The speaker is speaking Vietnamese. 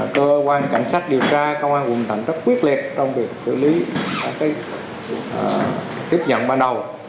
cơ quan cảnh sát điều tra công an quận thành rất quyết liệt trong việc xử lý các tiếp nhận ban đầu